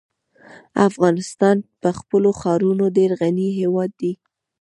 افغانستان په خپلو ښارونو ډېر غني هېواد دی.